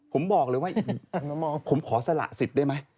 ผมบอกเลยว่าผมขอสละสิทธิ์ได้ไหม